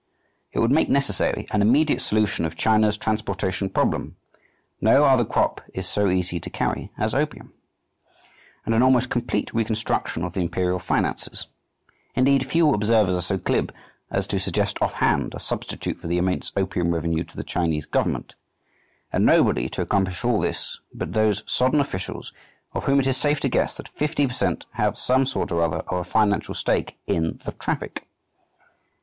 It would make necessary an immediate solution of China's transportation problem (no other crop is so easy to carry as opium) and an almost complete reconstruction of the imperial finances; indeed, few observers are so glib as to suggest offhand a substitute for the immense opium revenue to the Chinese government. And nobody to accomplish all this but those sodden officials, of whom it is safe to guess that fifty per cent have some sort or other of a financial stake in the traffic!